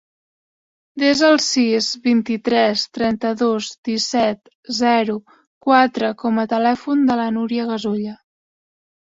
Desa el sis, vint-i-tres, trenta-dos, disset, zero, quatre com a telèfon de la Núria Gasulla.